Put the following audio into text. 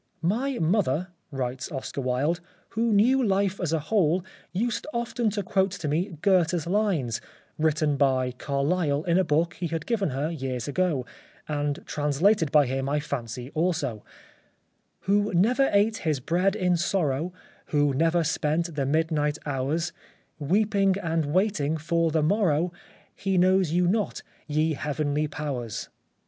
" My mother," writes Oscar Wilde, " who knew life as a whole, used often to quote to me Goethe's lines — written by Carlyle in a book he had given her years ago, and translated by him, I fancy, also :—"' Who never ate his bread in sorrow, Who never spent the midnight hours Weeping and waiting for the morrow, — He knows you not, ye heavenly powers.'